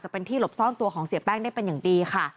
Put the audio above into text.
เป็นที่หลบซ่อนตัวของเสียแป้งได้เป็นอย่างดีค่ะ